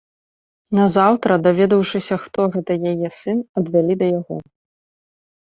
Назаўтра, даведаўшыся, хто гэта яе сын, адвялі да яго.